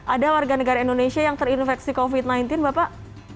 ada warga negara indonesia yang terinfeksi covid sembilan belas bapak